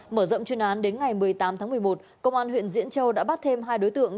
mở rộng chuyên án đến ngày một mươi tám tháng một mươi một công an huyện diễn châu đã bắt thêm hai đối tượng